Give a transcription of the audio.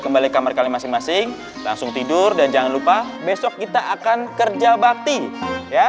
kembali kamar kami masing masing langsung tidur dan jangan lupa besok kita akan kerja bakti ya